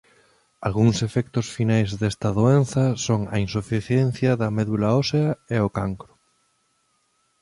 Algúns efectos finais desta doenza son a insuficiencia da medula ósea e o cancro.